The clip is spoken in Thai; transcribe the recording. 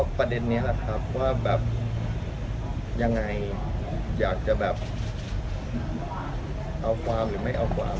ประเด็นนี้แหละครับว่าแบบยังไงอยากจะแบบเอาความหรือไม่เอาความ